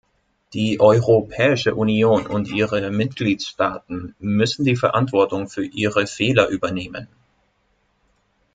Die Europäische Union und ihre Mitgliedstaaten müssen die Verantwortung für ihre Fehler übernehmen.